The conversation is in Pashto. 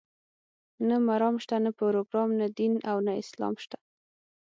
نه مرام شته، نه پروګرام، نه دین او نه اسلام شته.